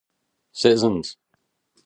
Citizens!